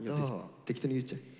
適当に言っちゃえ。